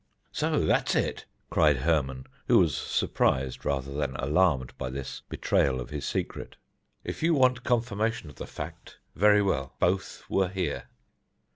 "So that's it!" cried Hermon, who was surprised rather than alarmed by this betrayal of his secret. "If you want confirmation of the fact, very well both were here."